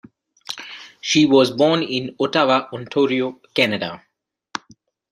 She was born in Ottawa, Ontario, Canada.